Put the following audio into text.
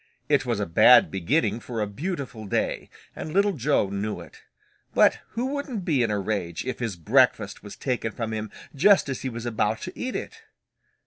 It was a bad beginning for a beautiful day and Little Joe knew it. But who wouldn't be in a rage if his breakfast was taken from him just as he was about to eat it?